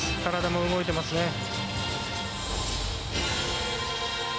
体も動いてますね。